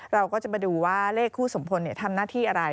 เราก็จะมาดูว่าเลขคู่สมพลทำหน้าที่อะไร